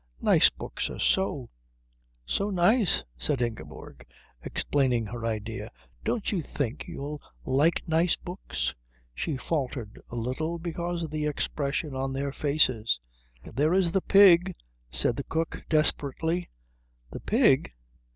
"Nice books are so so nice," said Ingeborg, explaining her idea. "Don't you think you'll like nice books?" She faltered a little, because of the expression on their faces. "There is the pig," said the cook desperately. "The pig?"